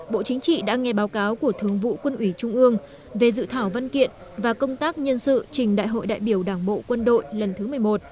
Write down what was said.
bộ chính trị đã nghe báo cáo của thương vụ quân ủy trung ương về dự thảo văn kiện và công tác nhân sự trình đại hội đại biểu đảng bộ quân đội lần thứ một mươi một